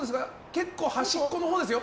結構端っこのほうです。